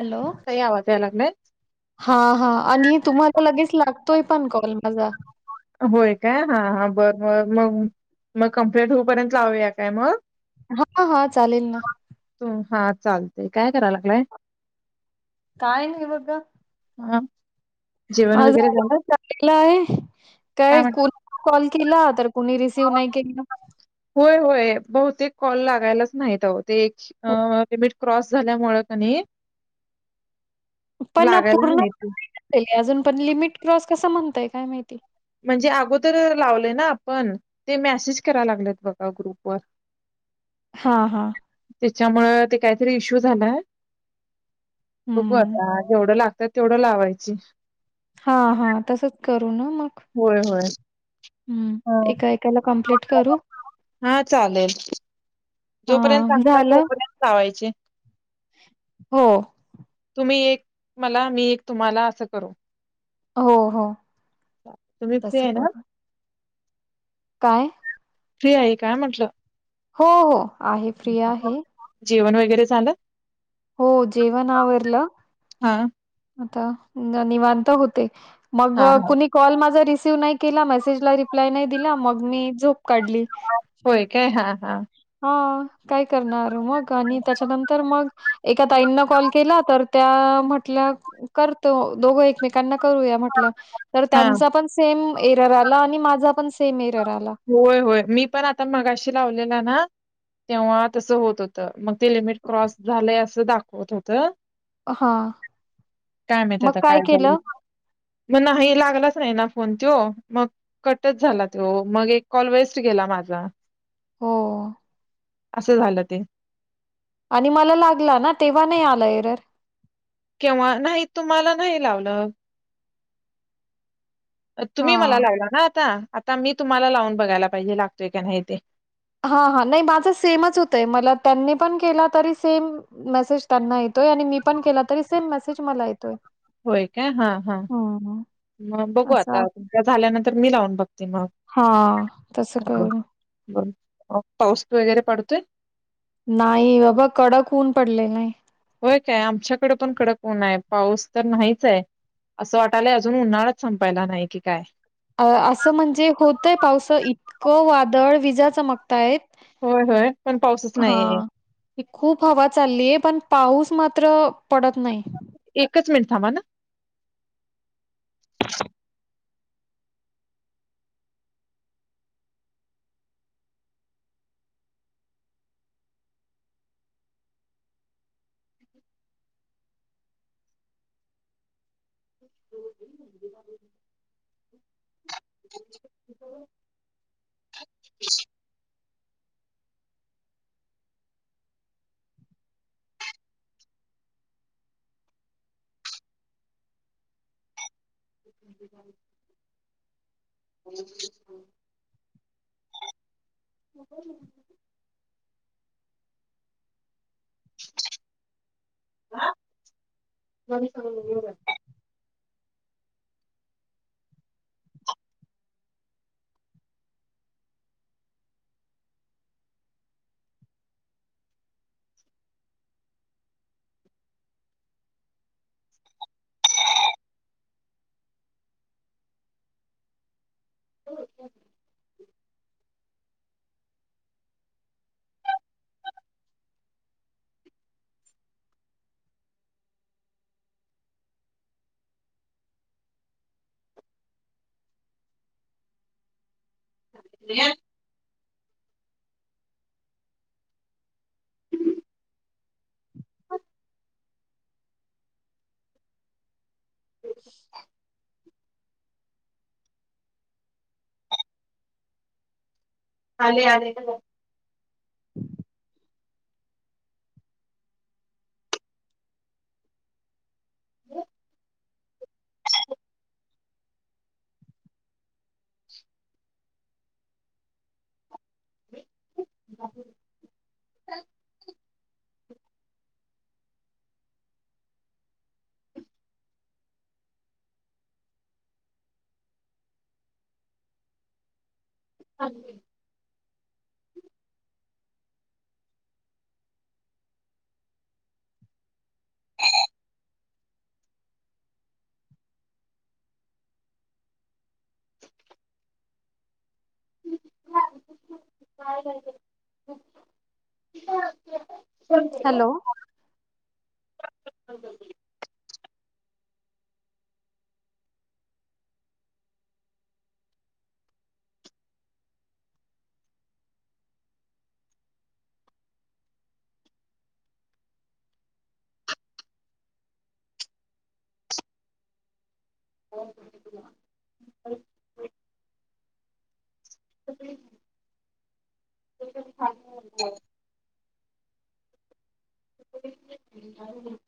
Hello काय आवाज अलग मे हा हा आणि तुम्हाला लगेच लागतोय पण कॉल माझा होय काय हा हा बर मर मग मग कम्प्लेट होऊपर्यंत लावूया काय मग हा हा चालेल ना तू हा चालतेय काय कराय लागलाय काय ना इवग हा जेवण आ झा वगैरे झालं चाललेलं आहे काय कोण कॉल केला तर कुणी रिसीव्ह नाही केला होय होय बहुतेक कॉल लागायलाच नाहीत ते लिमिट क्रॉस झाल्यामुळेळ कानी पण लागायला पूर्ण नाहीत अजून पण लिमिट क्रॉस कस म्हणतय काय माहिती म्हणजे अगोदर लावले ना आपण ते मॅसेज करायला लागलेत बघा ग्रुपवरर हा हा त्याच्यामुळ ते काहीतरी इश्यू झालाय बू हम्म. आता जेवढं लागतात तेवढं लावायची हा हा तसच करू ना मग होय होय हम्म हा. एका एकाला कम्प्लीट करू हा चालेल हा जोपर्यंत सांगत झालं तोपर्यंत वायचे हो तुम्ही एक मला मी एक तुम्हाला असं करू हो हो तुम्ही फ्री तसं आहे करू ना काय फ्री आहेई काय म्हंटलं हो हो आहे फ्री आहे. जेवण वगैरे झालं हो जेवण आवरलं हा आता निवांत होते मग हा हा. कुणी कॉल माझा रिसीव्ह नाही केला मेसेजला रिप्लाय नाही दिला मग मी झोप काढली होय काय हा हा हा काय करणार मग आणि त्याच्यानंतर मग एका ताईंना कॉल केला तर त्या म्हटल्या करतो दोघो एकमेकांना करूया म्हटलं तर हा. त्यांचा पण सेम एरर आला आणि माझा पण सेम एरर आला होय होय मी पण आता मगाशी लावलेला ना तेव्हा तसं होत होत मग ते लिमिट क्रॉस झालं असं दाखवत होत हां, काय माहिती मग आता काय झालं केलं मग नाही लागलाच नाही ना फोन तो मग कटच झाला तो मग एक कॉल वेस्ट केला माझा हो असं झालं ते आणि मला लागला ना तेव्हा नाही आला एरर किंववा नाही तुम्हाला नाही लावलं तुम्ही मला हां. लावला ना आता आता मी तुम्हाला लावून बघायला पाहिजे लागतोय का नाही ते हा हा नाही माझं सेमच होतय मला त्यांनी पण केला तरी सेम मेसेज त्यांना येतोय आणि मी पण केला तरी सेम मेसेज मला येतोय होय काय हा हा हम्म. मग बघू असा आता तम झाल्यानंतर मी लावून बघ हा तस करून बर पाऊस वगैरे पडतोय नाही बाबा कडकऊन पडले नाही होय काय आमच्याकडे पण कडक उण आहे पाऊस तर नाहीच आहे असं वाटायला अजून उन्हाळाच संपायला नाही की काय अ असं म्हणजे होतय पावस इतकं वादळ विजा चमकताय होय होय पण पाऊसच नाहीये एक- खूप हवा चाललीय पण पाऊस मात्र पडत नाही एकच मिनिट थांवा ना हो [inaudible] हो म सांग ह ह [inaudible] अले अले हांज ते हॅलो हो [inaudible] ह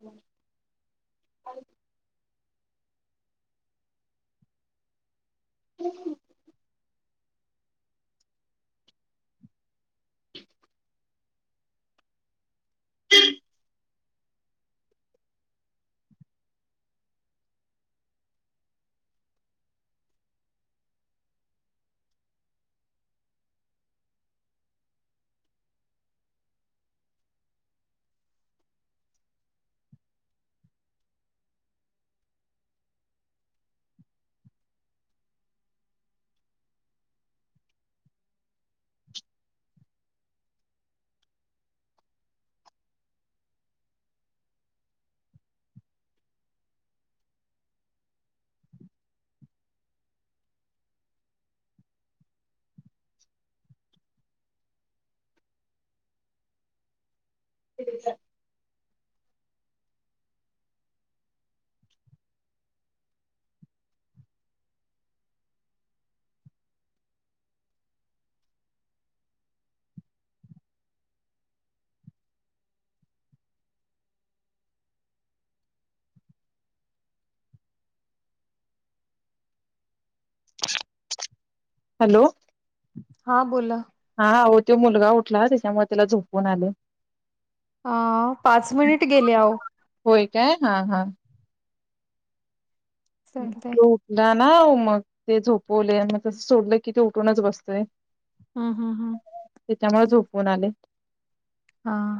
ठी आहे हॅलो हा बोला हा तो मुलगा उठला त्याच्यामुळे त्याला झोपून आले अ पाच मिनिट गेले आह होय काय हा हा चालतंय तो उठला ना मग ते झोपवले आणि मग सोडलं कि ते उठूनच बसतय हम हम हा त्याच्यामुळे झोपून आले हा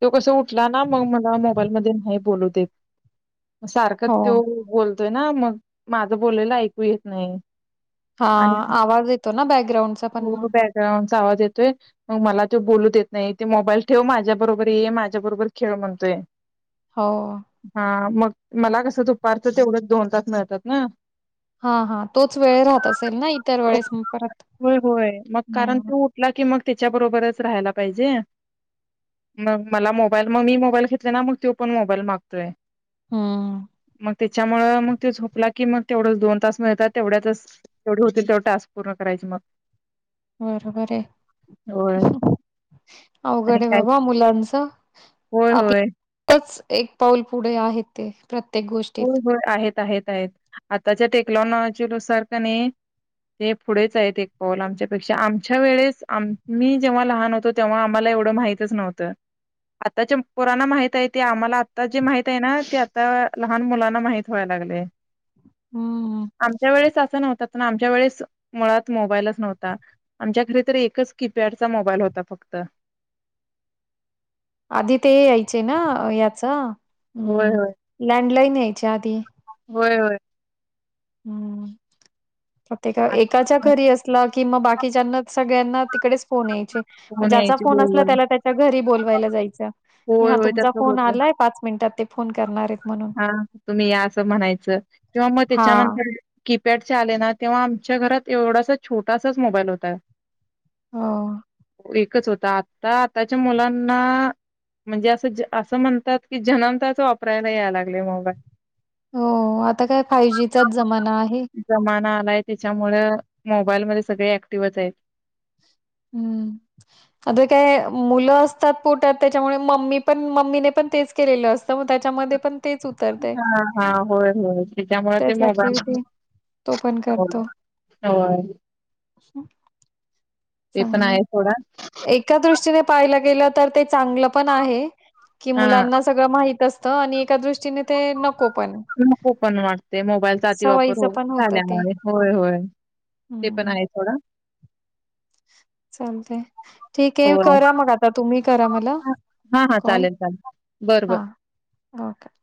तो कसं उठला ना मग मला मोबाईल म नाही बोलू देत सारखंच हो. तो बोलतोय ना मग माझं बोलायला ऐकू येत नाही हा आणि आवाज येतो ना बॅकग्राऊंडचा पण मग हो आवाज येतोय मग मला तो बोलूत देत नाही ते मोबाईल ठेव माझ्या बरोबर हे माझ्या बरोबर खेळ म्हणतोय हो हा मग मला कसं दुपारचं तेवढंच दोन तास मिळतात ना हा हा तोच वेळ राहत असेल ना इतर वेळेस परत होय होय मग नाही कारण तो की मग त्याच्या बरोबरच राहायला पाहिजे मग मला मोबाईल मग मी मोबाईल घेतले ना मग तो पण मोबाईल मागतोय हम्म त्याच्यामुळ मग तो झोपला की मग तेवढंच दोन तास मिळतात तेवढ्यातच तेवढे होतील तेवढ टाास पूर्ण करायचे मग बरोबर आहे होय. आणि अवघड आहे काय बाबा मुलांच होय होय च एक पाऊल पुढे आहे ते प्रत्ये गोष्ट हो होय आहेत आहेत आहेत आताच्या टेक्नॉलॉजी नुसार का नाही ते पुढेच आहेत एक कॉल आमच्यापेक्षा आमच्या वेळेस आ मी जेव्हा लहान होतो तेव्हा आम्हाला एवढं माहितच नव्हतं आताच्या पोरांना माहित आहे ते आम्हाला आता जी माहित आहे ना ते आता लहान मुलांना माहित व्हाय लागले हम्म आमच्या वेळेस असं नव्हत प आमच्या वेळेस मुळात मोबाईलच नव्हता आमच्या घरी तर एकच कीपॅडचा मोबाईल होता फक्त आधी ते यायचे ना होय, याचम् होय. लँडलाईन यायचे आधी होय होय हम्म प्रेका एकाच्या आत्ताच घरी अस कि मग बाकीच्याना सगळ्यांना तिकडेच फोन यायचे ्या यायची फोन अस बरोबर. त्याला त्या घरी बवायला जा होय, क होय. हा होय तुमचा तसं फोन होतं. आलाय पाच मिनिटात ते फोन करणार आहेत म्हणून तुम्ही या अस म्हणायचं किंवा मग हां. त्याच्यानंतर कीपॅडच्या आले ना तेव्हा आमच्या घरात एवढासा छोटासाच मोबाईल होता ह एकच होता आता आताच्या मुलांना म्हणजे असं असं म्हणतात की जनताच वापरायला याय लागले मोबाईल हो आता काय फायव जीचाच जमाना आहे जमाना आलाय त्याच्यामु मोबाईलमध्ये सगळे ऍक्टिव्हच आहेत हम्म अता काय मुलं असतात पोटात त्याच्यामुळे मम्मी पण मम्मी पण तेच केलेलं असतं मग त्याच्यामध्ये पण तेच उतरतंय. हा हा होय होय त्याच्यामुळे ते त्याच मोबाईल ऍक्टिव्हिटी तो हो हो अच्छा ते पण आहे थोडा एका दृष्टीने पाहिलं गेलं तर ते चांगलं पण आहे की हा मुलांना सगळं माहित असतं आणि एका दृष्टीने ते नको पण नको पण वाटते मोबाईलचा अति वापर सवयीचं हो पण होतं ते झाल्यामुळे होय होय ते पण हम्म आहे थोडा चालतय ठीक आहे होय करा मग आता तुम्ही करा मला कॉल बरबर हा काय